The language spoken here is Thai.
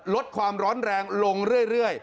ลดความร้อนแรงลงเรื่อย